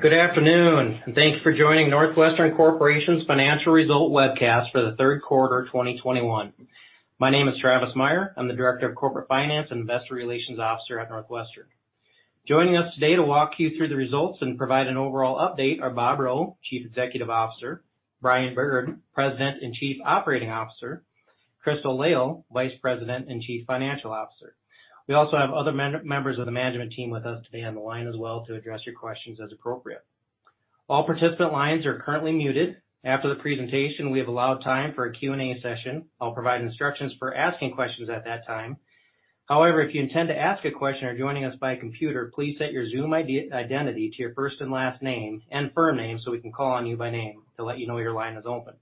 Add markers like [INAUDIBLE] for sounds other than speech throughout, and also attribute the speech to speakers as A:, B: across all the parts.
A: Good afternoon, and thanks for joining NorthWestern Energy's financial result webcast for the Q3 2021. My name is Travis Meyer. I'm the Director of Corporate Finance and Investor Relations Officer at NorthWestern. Joining us today to walk you through the results and provide an overall update are Bob Rowe, Chief Executive Officer, Brian Bird, President and Chief Operating Officer, Crystal Lail, Vice President and Chief Financial Officer. We also have other members of the management team with us today on the line as well to address your questions as appropriate. All participant lines are currently muted. After the presentation, we have allowed time for a Q&A session. I'll provide instructions for asking questions at that time. If you intend to ask a question or are joining us by computer, please set your Zoom identity to your first and last name and firm name so we can call on you by name to let you know your line is open.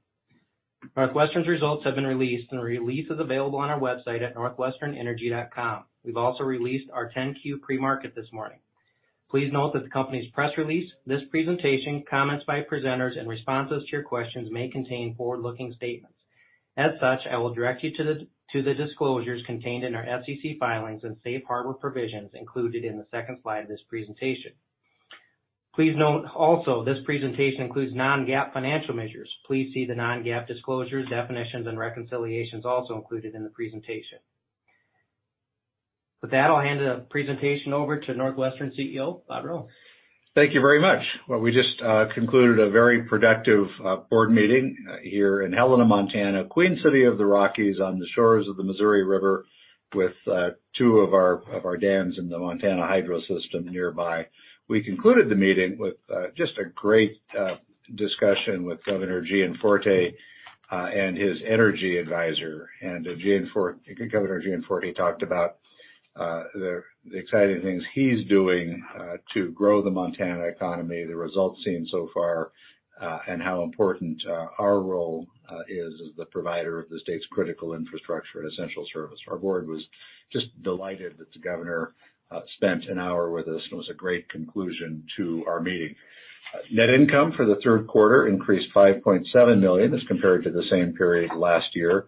A: NorthWestern's results have been released and the release is available on our website at northwesternenergy.com. We've also released our 10-Q pre-market this morning. Please note that the company's press release, this presentation, comments by presenters, and responses to your questions may contain forward-looking statements. I will direct you to the disclosures contained in our SEC filings and safe harbor provisions included in the second slide of this presentation. Please note also, this presentation includes non-GAAP financial measures. Please see the non-GAAP disclosures, definitions, and reconciliations also included in the presentation. With that, I'll hand the presentation over to NorthWestern CEO, Bob Rowe.
B: Thank you very much. Well, we just concluded a very productive board meeting here in Helena, Montana, Queen City of the Rockies, on the shores of the Missouri River, with two of our dams in the Montana Hydro system nearby. We concluded the meeting with just a great discussion with Governor Gianforte and his energy advisor. Governor Gianforte talked about the exciting things he is doing to grow the Montana economy, the results seen so far, and how important our role is as the provider of the state's critical infrastructure and essential service. Our board was just delighted that the governor spent an hour with us, and it was a great conclusion to our meeting. Net income for the Q3 increased $5.7 million as compared to the same period last year.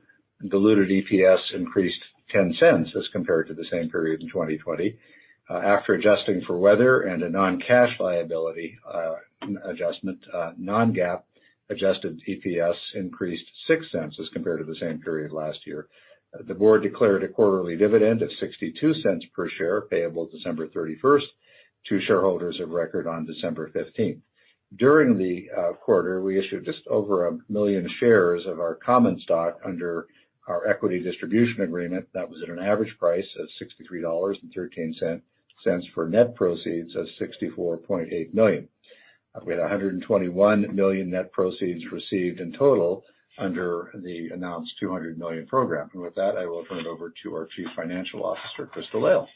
B: Diluted EPS increased $0.10 as compared to the same period in 2020. After adjusting for weather and a non-cash liability adjustment, non-GAAP adjusted EPS increased $0.06 as compared to the same period last year. The board declared a quarterly dividend of $0.62 per share, payable December 31st, to shareholders of record on December 15th. During the quarter, we issued just over 1 million shares of our common stock under our equity distribution agreement. That was at an average price of $63.13 for net proceeds of $64.8 million, with $121 million net proceeds received in total under the announced $200 million program. With that, I will turn it over to our Chief Financial Officer, Crystal Lail.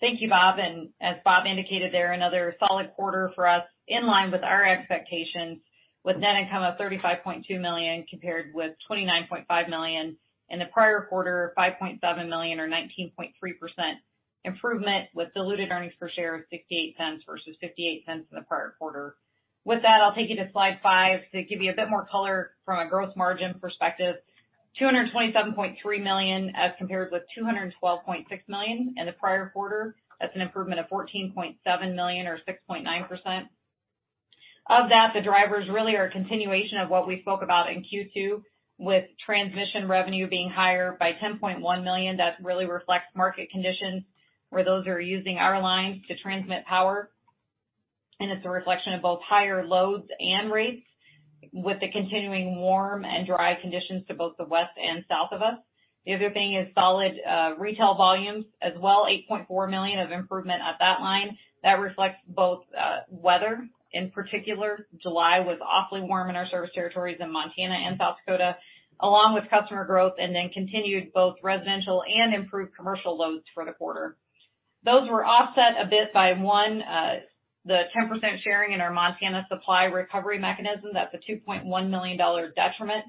C: Thank you, Bob. As Bob indicated there, another solid quarter for us, in line with our expectations, with net income of $35.2 million, compared with $29.5 million in the prior quarter, $5.7 million or 19.3% improvement with diluted earnings per share of $0.68 versus $0.58 in the prior quarter. With that, I'll take you to slide five to give you a bit more color from a gross margin perspective. $227.3 million as compared with $212.6 million in the prior quarter. That's an improvement of $14.7 million or 6.9%. Of that, the drivers really are a continuation of what we spoke about in Q2, with transmission revenue being higher by $10.1 million. That really reflects market conditions where those are using our lines to transmit power, and it's a reflection of both higher loads and rates with the continuing warm and dry conditions to both the west and south of us. The other thing is solid retail volumes as well, $8.4 million of improvement at that line. That reflects both weather. In particular, July was awfully warm in our service territories in Montana and South Dakota, along with customer growth, and then continued both residential and improved commercial loads for the quarter. Those were offset a bit by one, the 10% sharing in our Montana supply recovery mechanism. That's a $2.1 million detriment.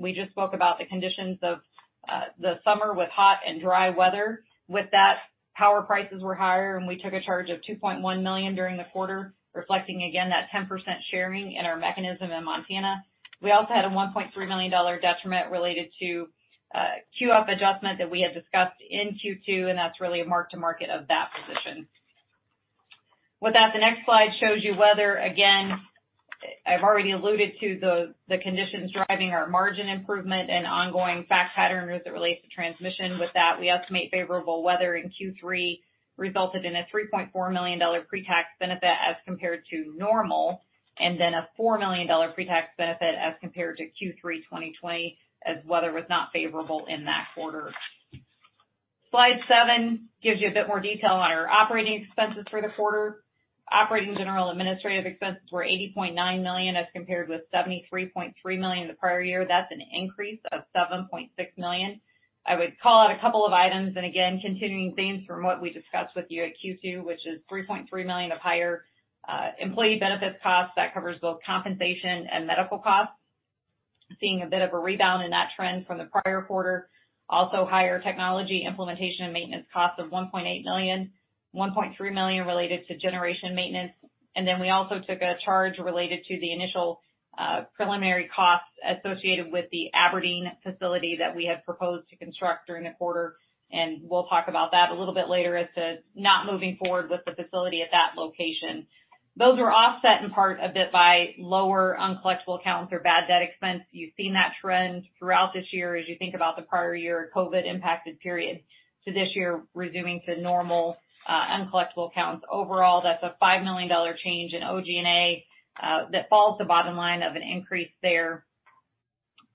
C: We just spoke about the conditions of the summer with hot and dry weather. With that, power prices were higher, and we took a charge of $2.1 million during the quarter, reflecting again that 10% sharing in our mechanism in Montana. We also had a $1.3 million detriment related to QF adjustment that we had discussed in Q2, and that's really a mark to market of that position. With that, the next slide shows you weather again. I've already alluded to the conditions driving our margin improvement and ongoing fact pattern as it relates to transmission. With that, we estimate favorable weather in Q3 resulted in a $3.4 million pre-tax benefit as compared to normal, and then a $4 million pre-tax benefit as compared to Q3 2020, as weather was not favorable in that quarter. Slide seven gives you a bit more detail on our operating expenses for the quarter. Operating, General & Administrative expenses were $80.9 million as compared with $73.3 million in the prior year. That's an increase of $7.6 million. I would call out a couple of items, and again, continuing themes from what we discussed with you at Q2, which is $3.3 million of higher employee benefits costs. That covers both compensation and medical costs, seeing a bit of a rebound in that trend from the prior quarter. Also, higher technology implementation and maintenance costs of $1.8 million, $1.3 million related to generation maintenance. Then we also took a charge related to the initial preliminary costs associated with the Aberdeen facility that we had proposed to construct during the quarter, and we'll talk about that a little bit later as to not moving forward with the facility at that location. Those were offset in part a bit by lower uncollectible accounts or bad debt expense. You've seen that trend throughout this year as you think about the prior year COVID-impacted period to this year resuming to normal uncollectible accounts. Overall, that's a $5 million change in OG&A that falls to bottom line of an increase there.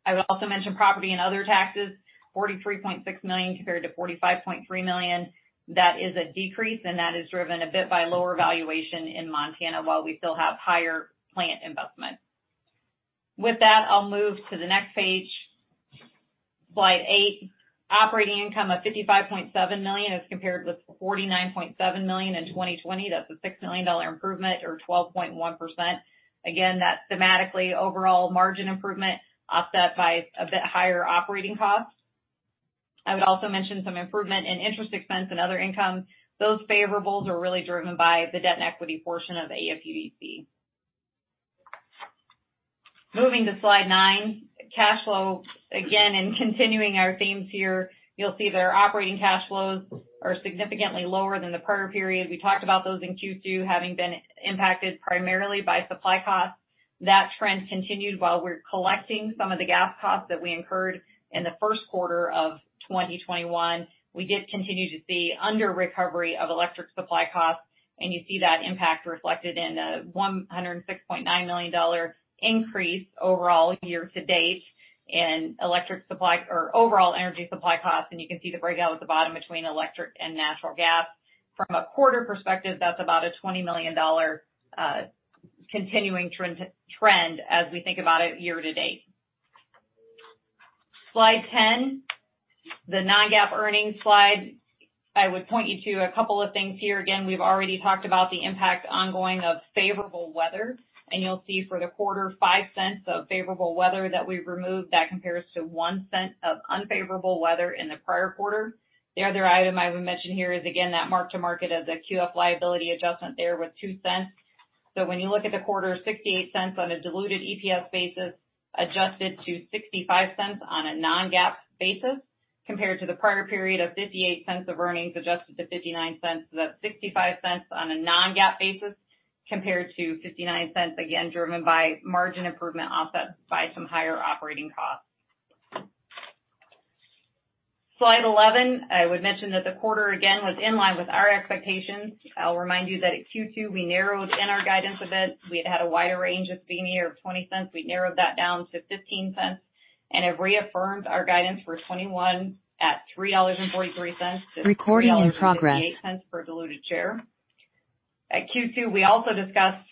C: I would also mention property and other taxes, $43.6 million compared to $45.3 million. That is a decrease, and that is driven a bit by lower valuation in Montana, while we still have higher plant investment. With that, I'll move to the next page. Slide eight, operating income of $55.7 million as compared with $49.7 million in 2020. That's a $6 million improvement or 12.1%. Again, that's thematically overall margin improvement offset by a bit higher operating costs. I would also mention some improvement in interest expense and other income. Those favorables are really driven by the debt and equity portion of the AFUDC. Moving to slide nine, cash flow. In continuing our themes here, you'll see that our operating cash flows are significantly lower than the prior period. We talked about those in Q2 having been impacted primarily by supply costs. That trend continued while we're collecting some of the gas costs that we incurred in the Q1 of 2021. We did continue to see under recovery of electric supply costs, you see that impact reflected in a $106.9 million increase overall year to date in electric supply or overall energy supply costs, you can see the breakout at the bottom between electric and natural gas. From a quarter perspective, that's about a $20 million continuing trend as we think about it year to date. Slide 10, the non-GAAP earnings slide. I would point you to a couple of things here. We've already talked about the impact ongoing of favorable weather, and you'll see for the quarter, $0.05 of favorable weather that we've removed. That compares to $0.01 of unfavorable weather in the prior quarter. The other item I would mention here is, again, that mark to market of the QF liability adjustment there with $0.02. When you look at the quarter, $0.68 on a diluted EPS basis adjusted to $0.65 on a non-GAAP basis, compared to the prior period of $0.58 of earnings adjusted to $0.59. That's $0.65 on a non-GAAP basis compared to $0.59, again, driven by margin improvement offset by some higher operating costs. Slide 11, I would mention that the quarter again was in line with our expectations. I'll remind you that at Q2 we narrowed in our guidance a bit. We had had a wider range of $0.20. We narrowed that down to $0.15 and have reaffirmed our guidance for 2021 at $3.43. To $3.58 for diluted share. At Q2, we also discussed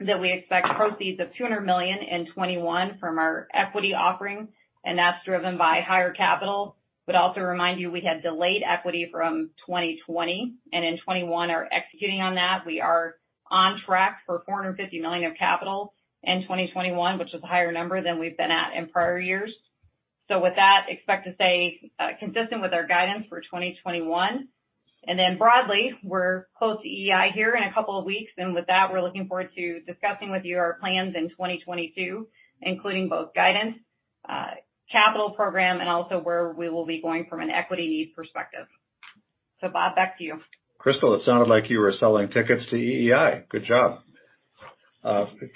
C: that we expect proceeds of $200 million in 2021 from our equity offering, and that's driven by higher capital. Would also remind you, we had delayed equity from 2020, and in 2021 are executing on that. We are on track for $450 million of capital in 2021, which is a higher number than we've been at in prior years. With that, expect to stay consistent with our guidance for 2021. Broadly, we're close to EEI here in a couple of weeks. With that, we're looking forward to discussing with you our plans in 2022, including both guidance, capital program, and also where we will be going from an equity perspective. Bob, back to you.
B: Crystal, it sounded like you were selling tickets to EEI. Good job.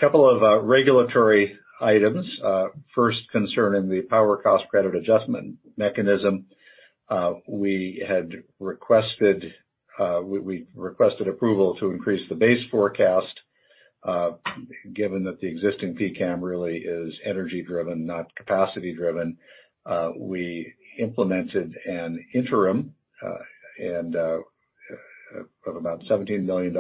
B: Couple of regulatory items. First, concerning the Power Cost and Credit Adjustment Mechanism. We had requested approval to increase the base forecast, given that the existing PCCAM really is energy-driven, not capacity-driven. We implemented an interim of about $17 million.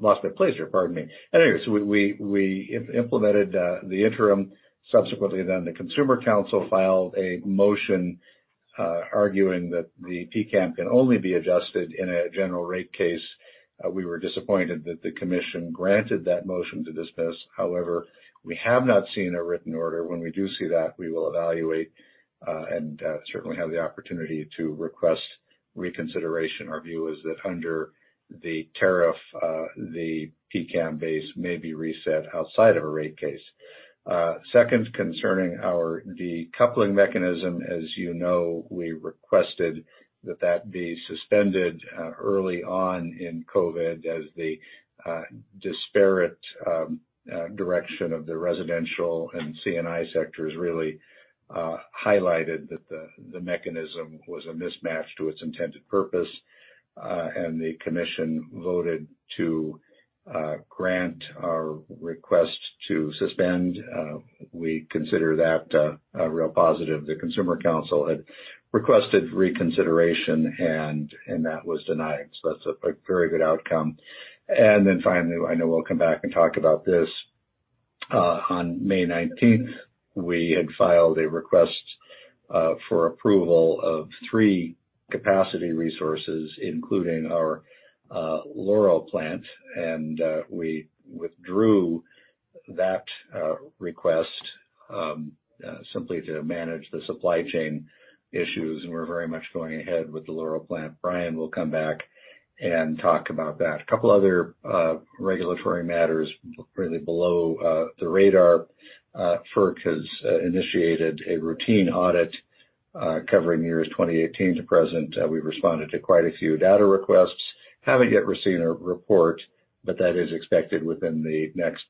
B: Lost my place here. Pardon me. Anyway, we implemented the interim. Subsequently, the Consumer Counsel filed a motion arguing that the PCCAM can only be adjusted in a general rate case. We were disappointed that the commission granted that motion to dismiss. However, we have not seen a written order. When we do see that, we will evaluate and certainly have the opportunity to request reconsideration. Our view is that under the tariff, the PCCAM base may be reset outside of a rate case. Second, concerning the decoupling mechanism. As you know, we requested that that be suspended early on in COVID as the disparate direction of the residential and C&I sectors really highlighted that the mechanism was a mismatch to its intended purpose. The commission voted to grant our request to suspend. We consider that a real positive. The Consumer Council had requested reconsideration, and that was denied. That's a very good outcome. Finally, I know we'll come back and talk about this. On May 19th, we had filed a request for approval of three capacity resources, including our Laurel plant, and we withdrew that request simply to manage the supply chain issues, and we're very much going ahead with the Laurel plant. Brian will come back and talk about that. A couple other regulatory matters really below the radar. FERC has initiated a routine audit covering years 2018 to present. We've responded to quite a few data requests. Haven't yet received a report, but that is expected within the next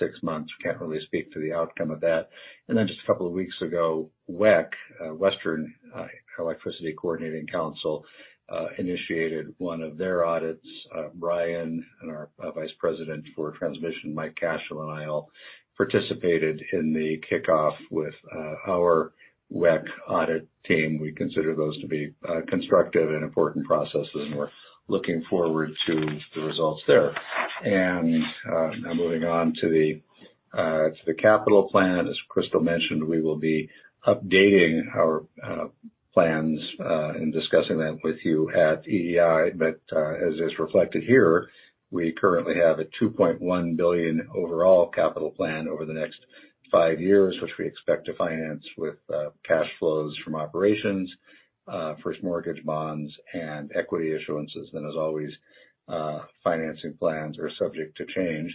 B: six months. We can't really speak to the outcome of that. Then just a couple of weeks ago, WECC, Western Electricity Coordinating Council, initiated one of their audits. Brian Bird and our Vice President for Transmission, Michael Cashell, and I all participated in the kickoff with our WECC audit team. We consider those to be constructive and important processes, and we're looking forward to the results there. Now moving on to the capital plan. As Crystal Lail mentioned, we will be updating our plans and discussing that with you at EEI. As is reflected here, we currently have a $2.1 billion overall capital plan over the next five years, which we expect to finance with cash flows from operations, first mortgage bonds, and equity issuances. As always, financing plans are subject to change.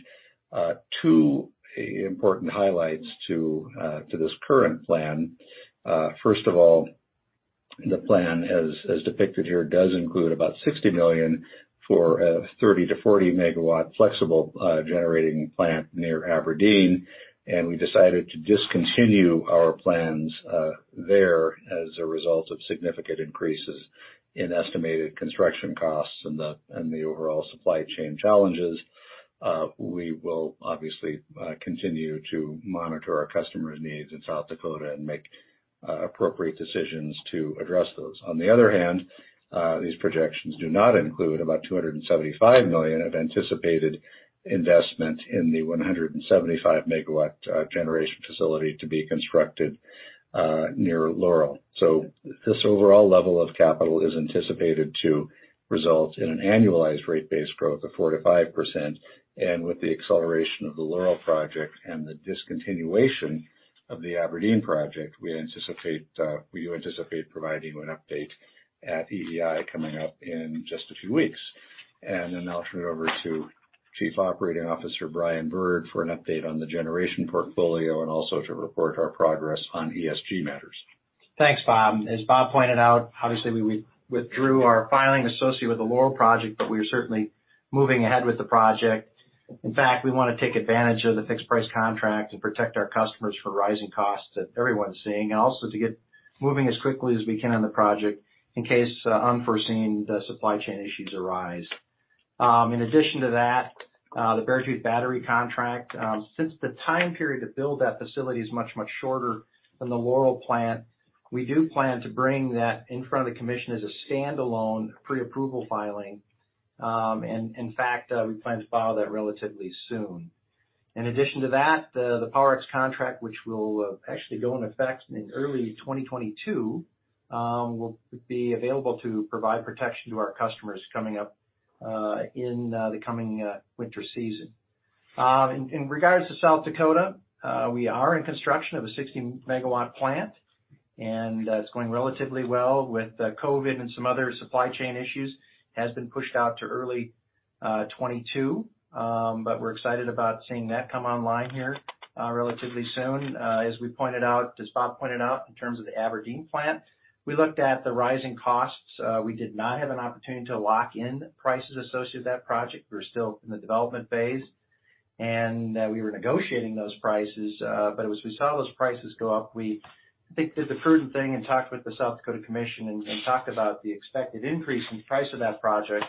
B: Two important highlights to this current plan. First of all, the plan, as depicted here, does include about $60 million for a 30-40 megawatt flexible generating plant near Aberdeen, and we decided to discontinue our plans there as a result of significant increases in estimated construction costs and the overall supply chain challenges. We will obviously continue to monitor our customers' needs in South Dakota and make appropriate decisions to address those. On the other hand, these projections do not include about $275 million of anticipated investment in the 175 megawatt generation facility to be constructed near Laurel. This overall level of capital is anticipated to result in an annualized rate base growth of 4%-5%. With the acceleration of the Laurel project and the discontinuation of the Aberdeen project, we do anticipate providing an update at EEI coming up in just a few weeks. Then I'll turn it over to Chief Operating Officer Brian Bird for an update on the generation portfolio and also to report our progress on ESG matters.
D: Thanks, Bob. As Bob pointed out, obviously we withdrew our filing associated with the Laurel project, but we are certainly moving ahead with the project. In fact, we want to take advantage of the fixed price contract and protect our customers for rising costs that everyone's seeing, and also to get moving as quickly as we can on the project in case unforeseen supply chain issues arise. In addition to that, the Beartooth battery contract. Since the time period to build that facility is much, much shorter than the Laurel plant, we do plan to bring that in front of the commission as a standalone pre-approval filing. In fact, we plan to file that relatively soon. In addition to that, the Powerex contract, which will actually go into effect in early 2022, will be available to provide protection to our customers coming up in the coming winter season. In regards to South Dakota, we are in construction of a 60 MW plant, and it's going relatively well. With COVID and some other supply chain issues, it has been pushed out to early 2022. We're excited about seeing that come online here relatively soon. As we pointed out, as Bob pointed out, in terms of the Aberdeen plant, we looked at the rising costs. We did not have an opportunity to lock in prices associated with that project. We were still in the development phase, and we were negotiating those prices. As we saw those prices go up, we, I think, did the prudent thing and talked with the South Dakota Commission and talked about the expected increase in price of that project,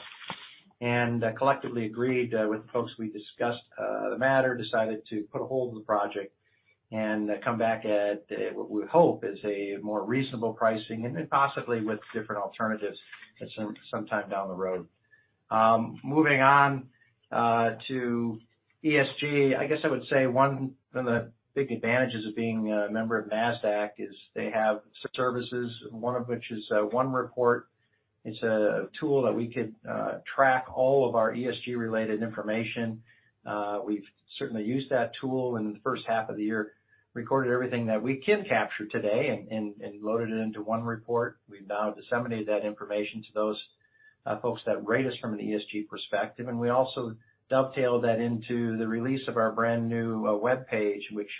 D: and collectively agreed with the folks we discussed the matter, decided to put a hold on the project and come back at what we hope is a more reasonable pricing and possibly with different alternatives at some time down the road. Moving on to ESG. I guess I would say one of the big advantages of being a member of Nasdaq is they have services, one of which is OneReport. It's a tool that we could track all of our ESG-related information. We've certainly used that tool in the H1 of the year, recorded everything that we can capture today and loaded it into OneReport. We've now disseminated that information to those folks that rate us from an ESG perspective. We also dovetailed that into the release of our brand new webpage, which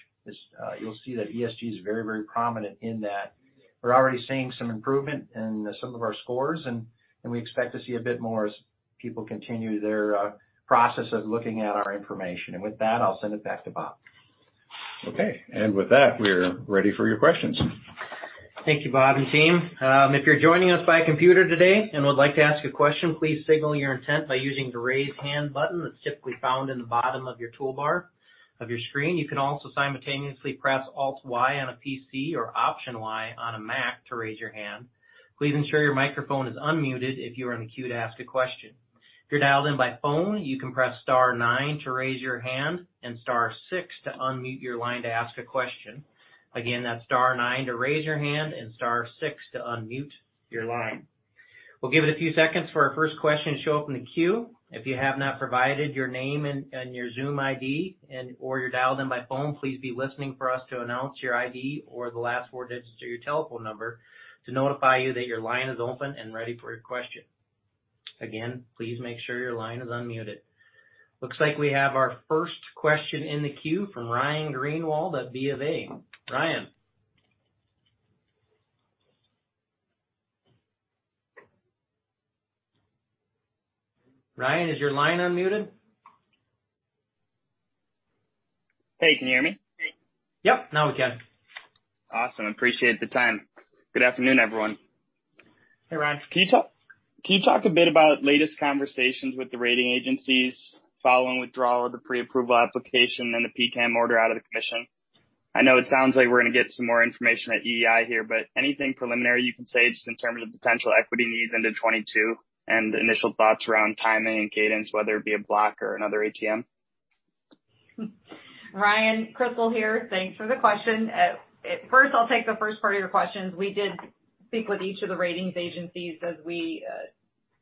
D: you'll see that ESG is very, very prominent in that. We're already seeing some improvement in some of our scores, and we expect to see a bit more as people continue their process of looking at our information. With that, I'll send it back to Bob.
B: Okay. With that, we are ready for your questions.
A: Thank you, Bob and team. If you're joining us by computer today and would like to ask a question, please signal your intent by using the Raise Hand button that's typically found in the bottom of your toolbar of your screen. You can also simultaneously press Alt-Y on a PC or Option-Y on a Mac to raise your hand. Please ensure your microphone is unmuted if you are in the queue to ask a question. If you're dialed in by phone, you can press star nine to raise your hand and star six to unmute your line to ask a question. Again, that's star nine to raise your hand and star six to unmute your line. We'll give it a few seconds for our first question to show up in the queue. If you have not provided your name and your Zoom ID or you're dialed in by phone, please be listening for us to announce your ID or the last four digits of your telephone number to notify you that your line is open and ready for your question. Again, please make sure your line is unmuted. Looks like we have our first question in the queue from Ryan Greenwald at BofA. Ryan? Ryan, is your line unmuted?
E: Hey, can you hear me?
D: Yep. Now we can.
E: Awesome, appreciate the time. Good afternoon, everyone.
D: Hey, Ryan.
E: Can you talk a bit about latest conversations with the rating agencies following withdrawal of the pre-approval application and the PCCAM order out of the commission? I know it sounds like we're going to get some more information at EEI here. Anything preliminary you can say just in terms of potential equity needs into 2022 and initial thoughts around timing and cadence, whether it be a block or another ATM?
C: Ryan, Crystal here. Thanks for the question. I'll take the first part of your questions. We did speak with each of the ratings agencies as we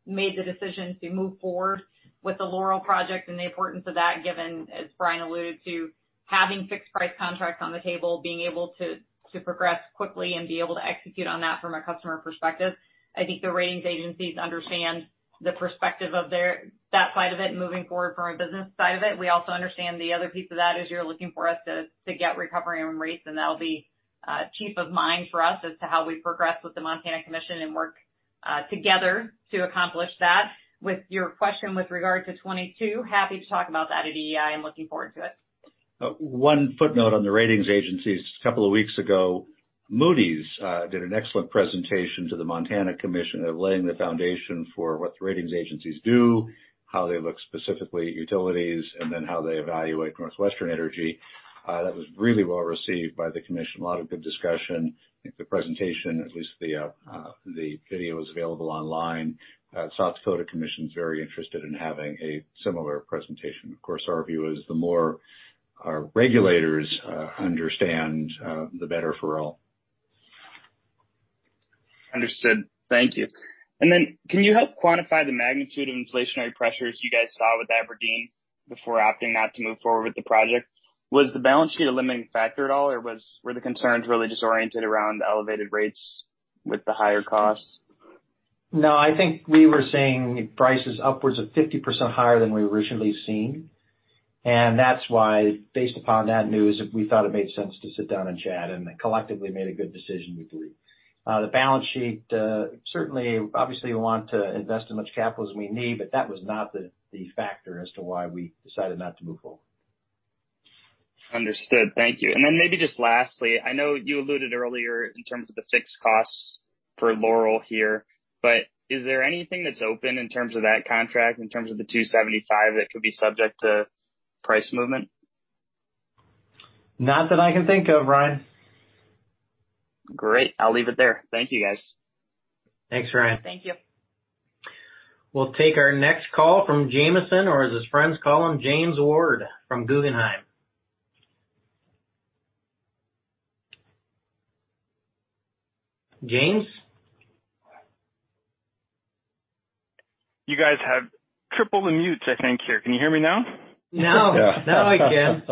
C: made the decision to move forward with the Laurel project and the importance of that, given, as Brian alluded to, having fixed price contracts on the table, being able to progress quickly and be able to execute on that from a customer perspective. I think the ratings agencies understand the perspective of that side of it and moving forward from a business side of it. We also understand the other piece of that, as you're looking for us to get recovery on rates, and that'll be chief of mind for us as to how we progress with the Montana Commission and work together to accomplish that. With your question with regard to 2022, happy to talk about that at EEI. I'm looking forward to it.
B: One footnote on the ratings agencies. A couple of weeks ago, Moody's did an excellent presentation to the Montana Commission of laying the foundation for what the ratings agencies do, how they look specifically at utilities, and then how they evaluate NorthWestern Energy. That was really well-received by the Commission. A lot of good discussion. I think the presentation, at least the video, is available online. South Dakota Commission is very interested in having a similar presentation. Of course, our view is the more our regulators understand, the better for all.
E: Understood. Thank you. Can you help quantify the magnitude of inflationary pressures you guys saw with Aberdeen before opting not to move forward with the project? Was the balance sheet a limiting factor at all, or were the concerns really just oriented around the elevated rates with the higher costs?
D: No, I think we were seeing prices upwards of 50% higher than we originally seen, and that's why, based upon that news, we thought it made sense to sit down and chat, and then collectively made a good decision with the group. The balance sheet, certainly, obviously, we want to invest as much capital as we need, but that was not the factor as to why we decided not to move forward.
E: Understood. Thank you. Maybe just lastly, I know you alluded earlier in terms of the fixed costs for Laurel here, Is there anything that's open in terms of that contract, in terms of the 275 that could be subject to price movement?
D: Not that I can think of, Ryan.
E: Great. I'll leave it there. Thank you, guys.
D: Thanks, Ryan.
C: Thank you.
A: We'll take our next call from James Ward, or as his friends call him, James Ward from Guggenheim. James?
F: You guys have triple the mutes, I think, here. Can you hear me now?
D: Now I can.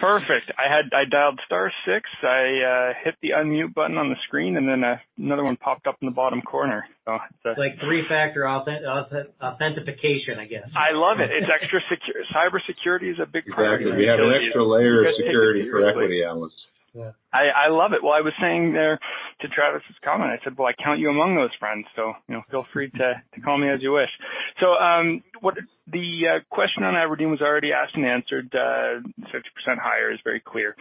F: Perfect. I dialed star six, I hit the unmute button on the screen, and then another one popped up in the bottom corner.
D: It's like three-factor authentication, I guess.
F: I love it. It's extra secure. Cybersecurity is a big priority.
B: Exactly. We have an extra layer of security for equity analysts.
F: I love it. I was saying there to Travis’s comment, I said, well, I count you among those friends, so feel free to call me as you wish. The question on Aberdeen was already asked and answered. 60% higher is very clear.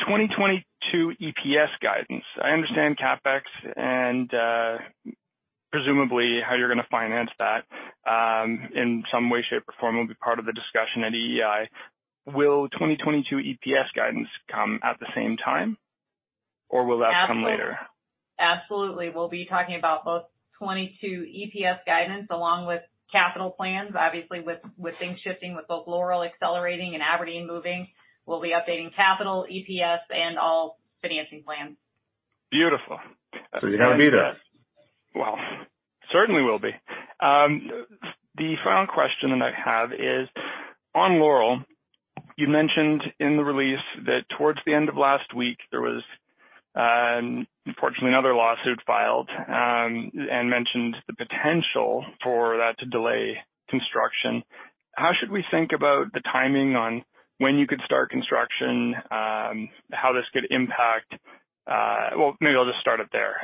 F: 2022 EPS guidance. I understand CapEx and presumably how you’re going to finance that in some way, shape, or form will be part of the discussion at EEI. Will 2022 EPS guidance come at the same time, or will that come later?
C: Absolutely. We'll be talking about both 2022 EPS guidance along with capital plans. Obviously, with things shifting with both Laurel accelerating and Aberdeen moving, we'll be updating capital, EPS, and all financing plans.
F: Beautiful.
B: You got to be there.
F: Well, certainly will be. The final question that I have is on Laurel. You mentioned in the release that towards the end of last week, there was unfortunately another lawsuit filed, and mentioned the potential for that to delay construction. How should we think about the timing on when you could start construction? Well, maybe I'll just start it there.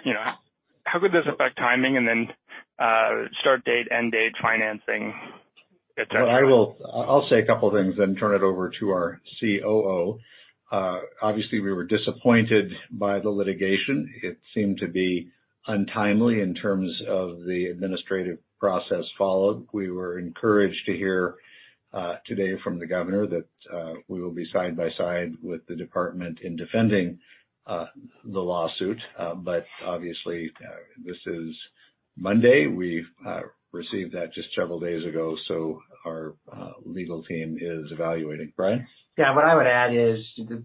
F: How could this affect timing and then start date, end date, financing, et cetera?
B: I'll say a couple of things and turn it over to our COO. Obviously, we were disappointed by the litigation. It seemed to be untimely in terms of the administrative process followed. We were encouraged to hear today from the Governor that we will be side by side with the department in defending the lawsuit. Obviously, this is Monday. We received that just several days ago, so our legal team is evaluating. Brian?
D: Yeah, what I would add is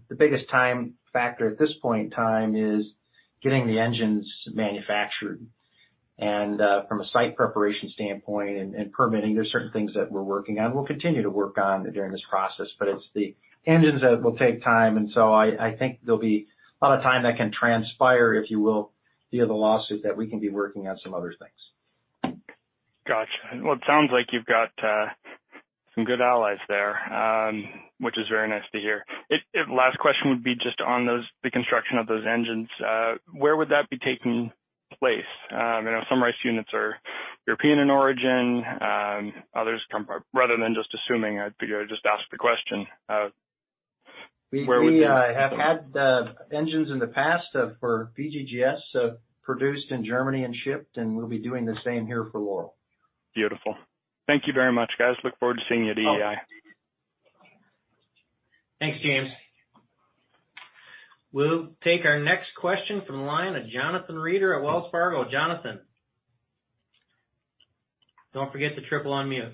D: the biggest time factor at this point in time is getting the engines manufactured. From a site preparation standpoint and permitting, there's certain things that we're working on, we'll continue to work on during this process, but it's the engines that will take time. I think there'll be a lot of time that can transpire, if you will, via the lawsuit that we can be working on some other things.
F: Got you. Well, it sounds like you've got some good allies there, which is very nice to hear. Last question would be just on the construction of those engines. Where would that be taking place? I know some RICE units are European in origin. Rather than just assuming, I figured I'd just ask the question.
D: We have had engines in the past for, [INAUDIBLE] produced in Germany and shipped, and we'll be doing the same here for Laurel.
F: Beautiful. Thank you very much, guys. Look forward to seeing you at EEI.
D: Thanks, James.
A: We'll take our next question from the line of Jonathan Reeder at Wells Fargo. Jonathan. Don't forget to triple unmute.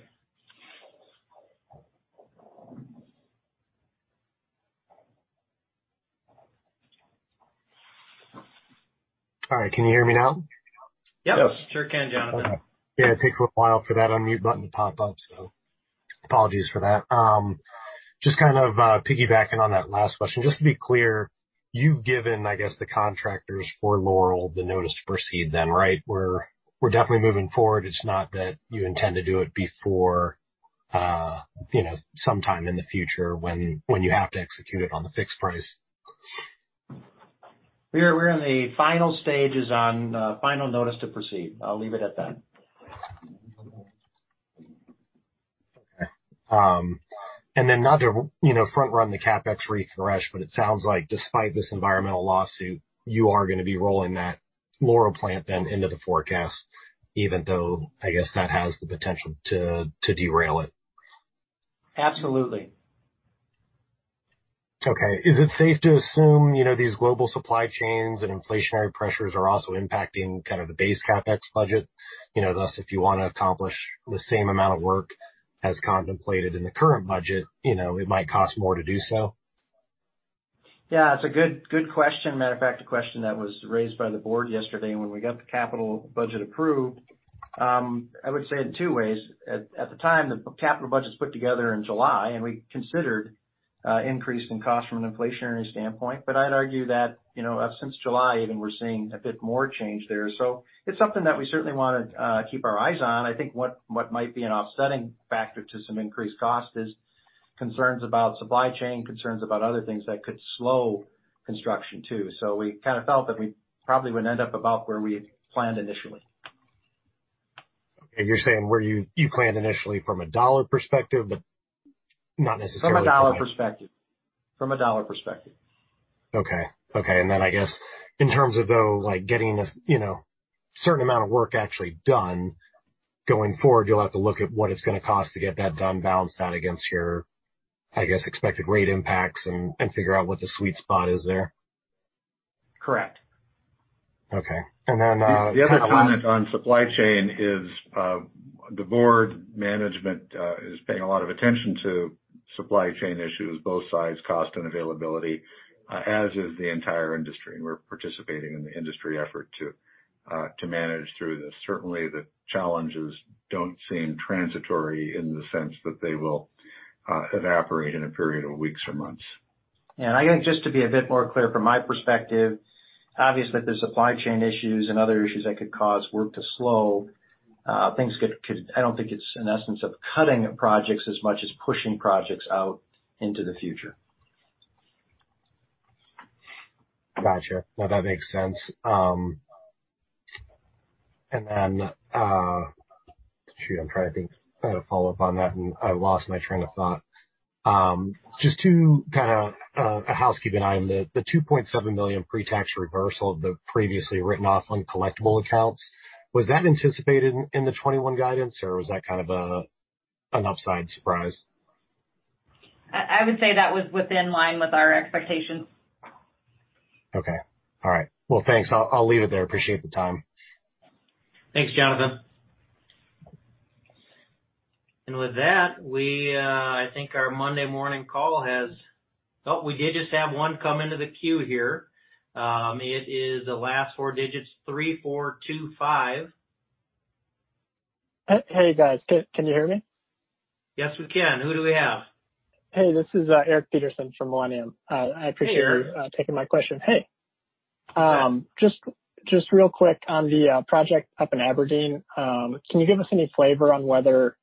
G: All right. Can you hear me now?
D: Yes.
F: Yes.
D: Sure can, Jonathan.
G: Okay. Yeah, it takes a while for that unmute button to pop up, so apologies for that. Just kind of piggybacking on that last question, just to be clear, you've given, I guess, the contractors for Laurel the notice to proceed then, right? We're definitely moving forward. It's not that you intend to do it before, sometime in the future when you have to execute it on the fixed price.
D: We're in the final stages on final notice to proceed. I'll leave it at that.
G: Okay. Not to front run the CapEx refresh, but it sounds like despite this environmental lawsuit, you are going to be rolling that Laurel plant then into the forecast, even though I guess that has the potential to derail it.
D: Absolutely.
G: Okay. Is it safe to assume these global supply chains and inflationary pressures are also impacting kind of the base CapEx budget? Thus, if you want to accomplish the same amount of work as contemplated in the current budget, it might cost more to do so.
D: Yeah, it's a good question. Matter of fact, a question that was raised by the board yesterday when we got the capital budget approved. I would say it two ways. At the time, the capital budget's put together in July, we considered increase in cost from an inflationary standpoint. I'd argue that since July even we're seeing a bit more change there. It's something that we certainly want to keep our eyes on. I think what might be an offsetting factor to some increased cost is concerns about supply chain, concerns about other things that could slow construction, too. We kind of felt that we probably would end up about where we had planned initially.
G: Okay. You're saying where you planned initially from a dollar perspective.
D: From a dollar perspective.
G: Okay. Okay. I guess in terms of though, getting a certain amount of work actually done going forward, you'll have to look at what it's going to cost to get that done balanced out against your, I guess, expected rate impacts and figure out what the sweet spot is there.
D: Correct.
G: Okay.
B: The other comment on supply chain is the board management is paying a lot of attention to supply chain issues, both sides, cost and availability. As is the entire industry. We're participating in the industry effort to manage through this. Certainly, the challenges don't seem transitory in the sense that they will evaporate in a period of weeks or months.
D: Yeah. I think just to be a bit more clear from my perspective, obviously, if there's supply chain issues and other issues that could cause work to slow, I don't think it's an essence of cutting projects as much as pushing projects out into the future.
G: Got you. No, that makes sense. Shoot, I'm trying to think. I had a follow-up on that, and I lost my train of thought. Just to kind of a housekeeping item, the $2.7 million pre-tax reversal of the previously written off uncollectible accounts, was that anticipated in the 2021 guidance or was that kind of an upside surprise?
C: I would say that was within line with our expectations.
G: Okay. All right. Well, thanks. I'll leave it there. Appreciate the time.
A: Thanks, Jonathan. With that, we did just have one come into the queue here. It is the last four digits, 3425.
H: Hey, guys. Can you hear me?
A: Yes, we can. Who do we have?
H: Hey, this is Eric Peterson from Millennium.
A: Hey, Eric.
H: I appreciate you taking my question. Hey. Just real quick on the project up in Aberdeen, can you give us any flavor on whether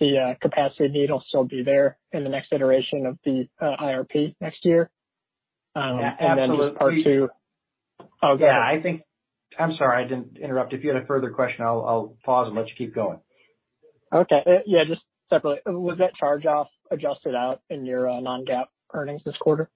H: the capacity need will still be there in the next iteration of the IRP next year?
D: Absolutely.
H: Oh, go ahead.
D: I'm sorry. I didn't interrupt. If you had a further question, I'll pause and let you keep going.
H: Okay. Yeah, just separately, was that charge-off adjusted out in your non-GAAP earnings this quarter?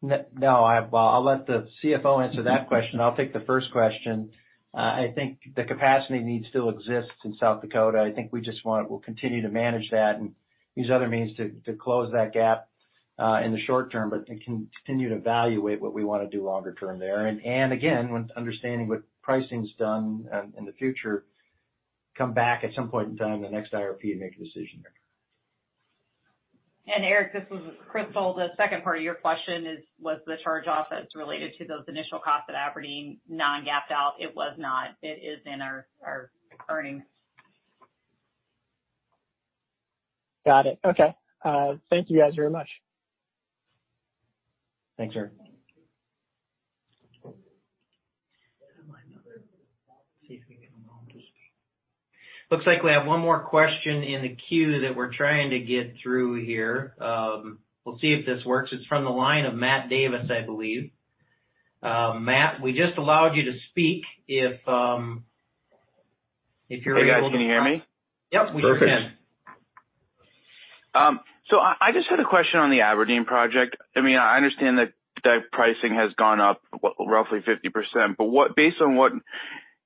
D: No. I'll let the CFO answer that question. I'll take the first question. I think the capacity need still exists in South Dakota. I think we'll continue to manage that and use other means to close that gap, in the short term, but continue to evaluate what we want to do longer term there. Again, understanding what pricing's done in the future, come back at some point in time in the next IRP and make a decision there.
C: Eric, this is Crystal. The second part of your question is, was the charge-off that's related to those initial costs at Aberdeen non-GAAPed out? It was not. It is in our earnings.
H: Got it. Okay. Thank you guys very much.
D: Thanks, Eric.
A: Looks like we have one more question in the queue that we're trying to get through here. We'll see if this works. It's from the line of Matt Davis, I believe. Matt, we just allowed you to speak if you're able to.
I: Hey, guys, can you hear me?
A: Yep, we can.
B: Perfect.
I: I just had a question on the Aberdeen project. I understand that pricing has gone up roughly 50%, but based on what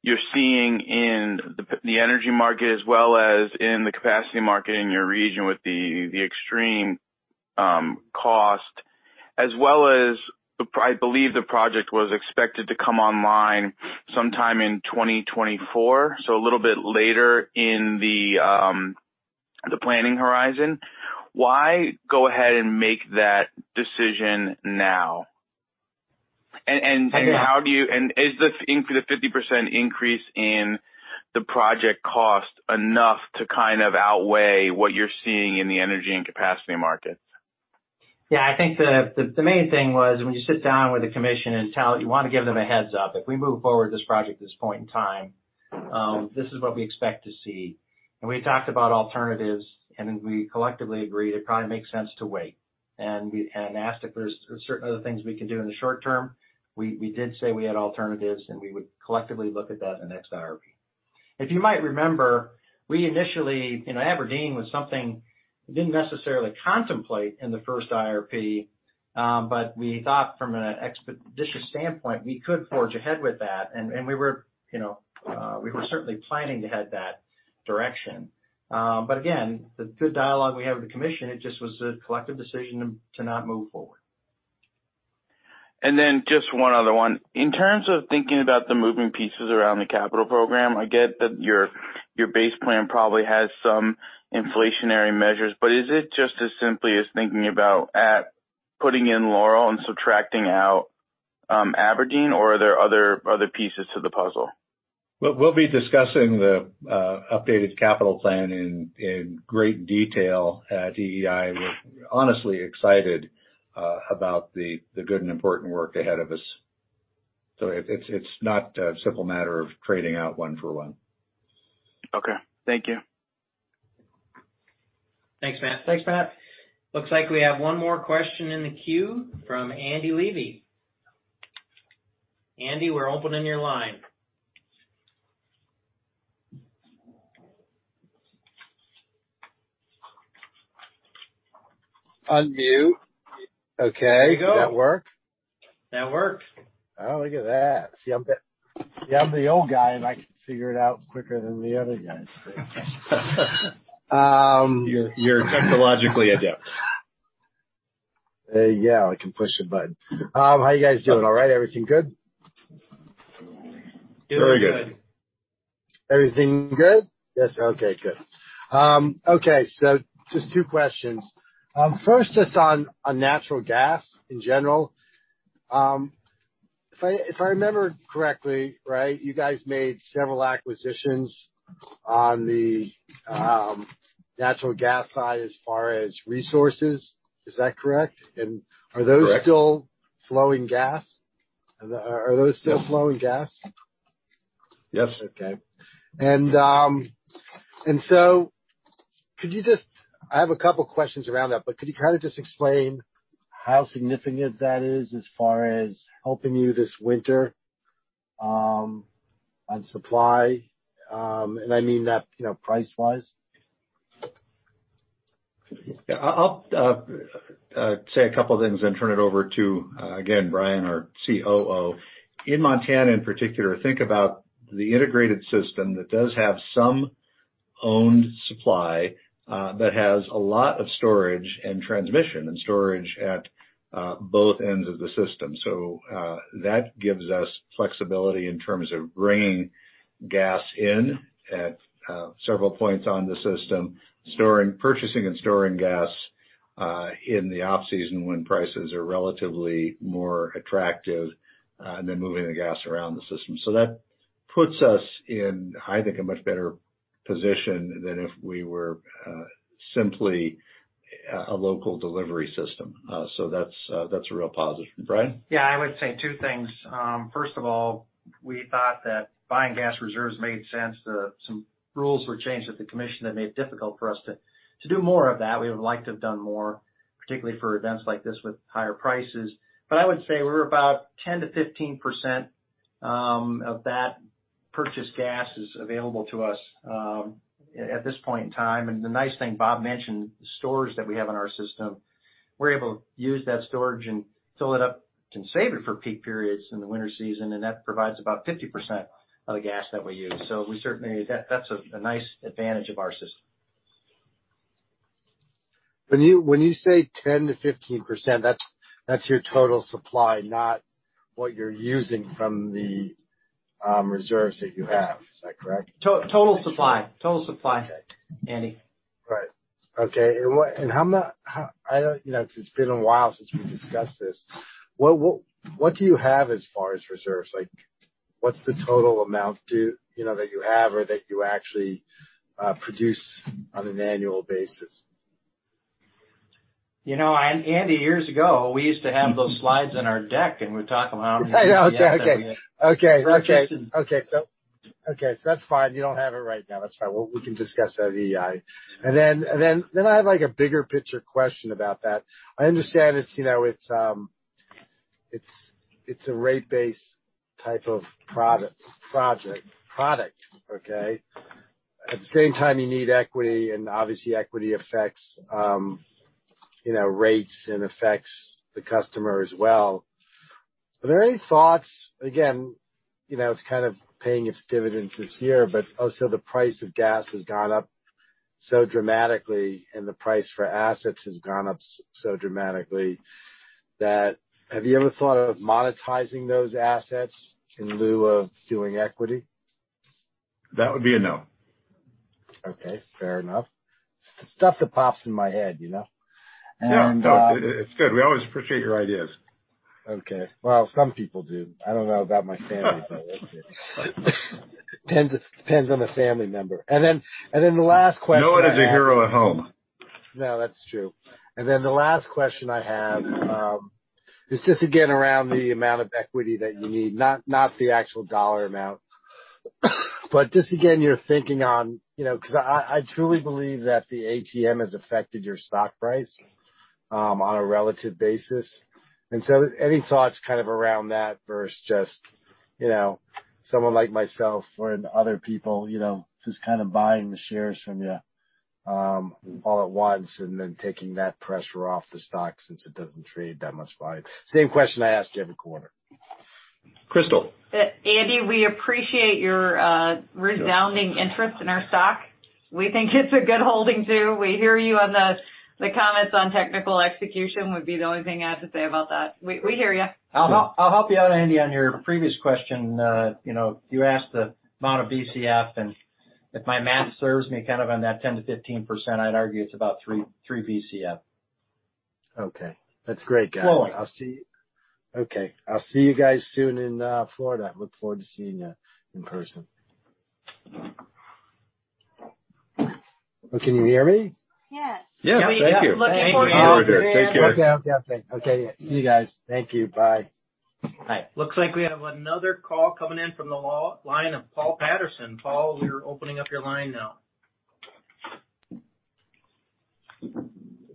I: you're seeing in the energy market as well as in the capacity market in your region with the extreme cost, as well as I believe the project was expected to come online sometime in 2024, so a little bit later in the planning horizon. Why go ahead and make that decision now? Is the 50% increase in the project cost enough to kind of outweigh what you're seeing in the energy and capacity markets?
D: Yeah. I think the main thing was, when you sit down with the Commission, you want to give them a heads-up. If we move forward with this project at this point in time, this is what we expect to see. We talked about alternatives, and we collectively agreed it probably makes sense to wait. Asked if there's certain other things we could do in the short term. We did say we had alternatives, and we would collectively look at that in the next IRP. If you might remember, Aberdeen was something we didn't necessarily contemplate in the first IRP. We thought from an expeditious standpoint, we could forge ahead with that. We were certainly planning to head that direction. Again, the good dialogue we have with the Commission, it just was a collective decision to not move forward.
I: Just one other one. In terms of thinking about the moving pieces around the capital program, I get that your base plan probably has some inflationary measures. Is it just as simply as thinking about putting in Laurel and subtracting out Aberdeen, or are there other pieces to the puzzle?
B: We'll be discussing the updated capital plan in great detail at EEI. We're honestly excited about the good and important work ahead of us. It's not a simple matter of trading out one for one.
I: Okay. Thank you.
D: Thanks, Matt.
A: Thanks, Matt. Looks like we have one more question in the queue from Andy Levi]. Andy, we're opening your line.
J: Unmute. Okay.
A: There you go.
J: Does that work?
A: That worked.
J: Oh, look at that. See, I'm the old guy and I can figure it out quicker than the other guys.
B: You're technologically adept.
J: Yeah, I can push a button. How you guys doing? All right? Everything good?
A: Doing good.
B: Very good.
J: Everything good? Yes. Okay, good. Okay, just two questions. First, just on natural gas in general. If I remember correctly, you guys made several acquisitions on the natural gas side as far as resources. Is that correct?
B: Correct.
J: Are those still flowing gas?
B: Yes.
J: Okay. I have two questions around that, but could you just explain how significant that is as far as helping you this winter on supply? I mean that price-wise.
B: I'll say a couple of things and turn it over to, again, Brian, our COO. In Montana in particular, think about the integrated system that does have some owned supply that has a lot of storage and transmission, and storage at both ends of the system. That gives us flexibility in terms of bringing gas in at several points on the system, purchasing and storing gas in the off-season when prices are relatively more attractive, and then moving the gas around the system. That puts us in, I think, a much better position than if we were simply a local delivery system. That's a real positive. Brian?
D: Yeah, I would say two things. First of all, we thought that buying gas reserves made sense. Some rules were changed at the commission that made it difficult for us to do more of that. We would like to have done more, particularly for events like this with higher prices. I would say we're about 10%-15% of that purchased gas is available to us at this point in time. The nice thing Bob mentioned, the storage that we have in our system, we're able to use that storage and fill it up and save it for peak periods in the winter season, and that provides about 50% of the gas that we use. That's a nice advantage of our system.
J: When you say 10%-15%, that's your total supply, not what you're using from the reserves that you have, is that correct?
D: Total supply. Andy.
J: Right. Okay. It's been a while since we discussed this. What do you have as far as reserves? What's the total amount that you have or that you actually produce on an annual basis?
D: Andy, years ago, we used to have those slides in our deck, and we'd talk about them.
J: Okay. That's fine. You don't have it right now. That's fine. We can discuss that at EEI. I have a bigger picture question about that. I understand it's a rate-based type of product. At the same time, you need equity, and obviously equity affects rates and affects the customer as well. Are there any thoughts, again, it's kind of paying its dividends this year, but also the price of gas has gone up so dramatically, and the price for assets has gone up so dramatically that have you ever thought of monetizing those assets in lieu of doing equity?
B: That would be a no.
J: Okay, fair enough. It's the stuff that pops in my head.
B: No, it's good. We always appreciate your ideas.
J: Okay. Well, some people do. I don't know about my family, but depends on the family member. Then the last question I have.
B: No one is a hero at home.
J: No, that's true. The last question I have is just again, around the amount of equity that you need, not the actual dollar amount, but just again, your thinking on Because I truly believe that the ATM has affected your stock price on a relative basis. Any thoughts around that versus just someone like myself or other people just buying the shares from you all at once and then taking that pressure off the stock since it doesn't trade that much volume? Same question I ask you every quarter.
B: Crystal.
C: Andy, we appreciate your resounding interest in our stock. We think it's a good holding, too. We hear you on the comments on technical execution would be the only thing I have to say about that. We hear you.
D: I'll help you out, Andy, on your previous question. You asked the amount of BCF, and if my math serves me on that 10%-15%, I'd argue it's about three BCF.
J: Okay. That's great, guys.
D: Florida.
J: Okay. I'll see you guys soon in Florida. I look forward to seeing you in person. Can you hear me?
C: Yes.
B: Yeah. Thank you.
J: Okay. See you, guys. Thank you. Bye.
A: Looks like we have another call coming in from the line of Paul Patterson. Paul, we are opening up your line now.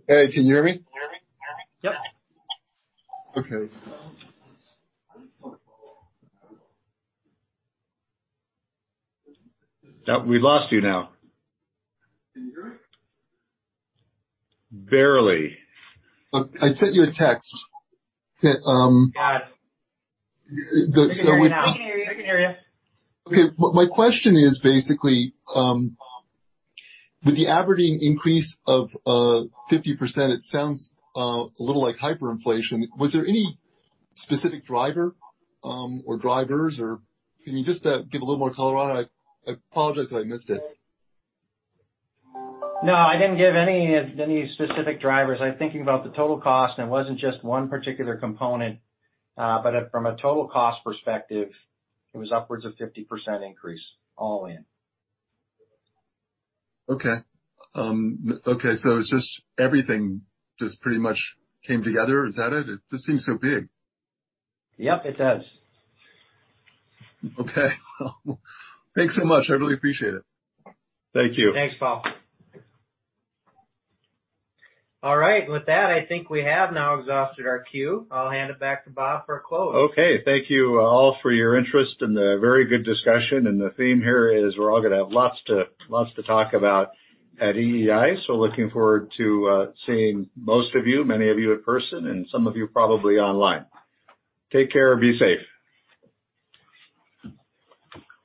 K: Hey, can you hear me?
A: Yep.
K: Okay.
B: We lost you now. Barely.
K: I sent you a text.
A: Got it. We can hear you now.
C: We can hear you.
K: My question is, basically with the Aberdeen increase of 50%, it sounds a little like hyperinflation. Was there any specific driver or drivers, or can you just give a little more color on it? I apologize that I missed it.
D: No, I didn't give any specific drivers. I'm thinking about the total cost, and it wasn't just one particular component. From a total cost perspective, it was upwards of 50% increase all in.
K: Okay. It's just everything just pretty much came together. Is that it? This seems so big.
D: Yep, it does.
K: Okay. Thanks so much. I really appreciate it.
B: Thank you.
D: Thanks, Paul. All right, with that, I think we have now exhausted our queue. I'll hand it back to Bob for close.
B: Okay. Thank you all for your interest and the very good discussion, and the theme here is we're all going to have lots to talk about at EEI. Looking forward to seeing most of you, many of you in person, and some of you probably online. Take care and be safe.